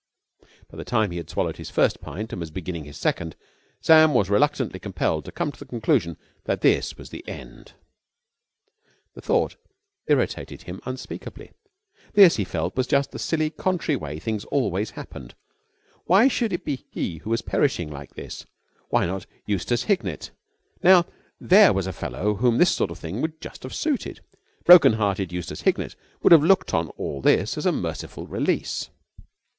By the time he had swallowed his first pint and was beginning his second, Sam was reluctantly compelled to come to the conclusion that this was the end. The thought irritated him unspeakably. This, he felt, was just the silly, contrary way things always happened. Why should it be he who was perishing like this? Why not Eustace Hignett? Now there was a fellow whom this sort of thing would just have suited. Broken hearted Eustace Hignett would have looked on all this as a merciful release.